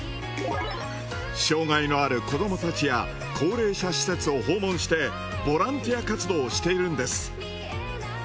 障害のある子どもたちや高齢者施設を訪問してボランティア活動をしているんです。